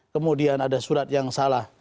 kemudian ada surat yang salah